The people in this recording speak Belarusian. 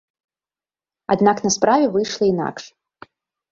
Аднак на справе выйшла інакш.